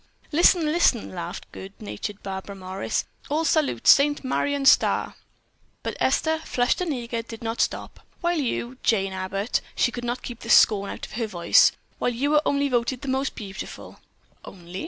"Listen! Listen!" laughed good natured Barbara Morris. "All salute Saint Marion Starr." But Esther, flushed and eager, did not stop. "While you, Jane Abbott" she could not keep the scorn out of her voice "while you were only voted the most beautiful." "Only?"